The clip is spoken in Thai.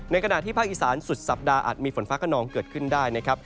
ขณะที่ภาคอีสานสุดสัปดาห์อาจมีฝนฟ้าขนองเกิดขึ้นได้นะครับ